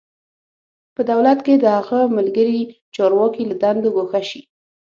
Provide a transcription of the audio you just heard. په دولت کې د هغه ملګري چارواکي له دندو ګوښه شي.